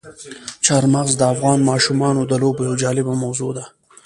چار مغز د افغان ماشومانو د لوبو یوه جالبه موضوع ده.